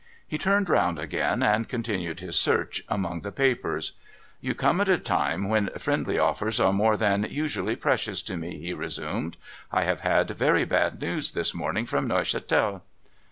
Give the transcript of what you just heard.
He turned round again, and continued his search among the papers. ' You come at a time when friendly offers are more than usually precious to me,' he resumed. * I have had very bad news this morning from Neuchatel.'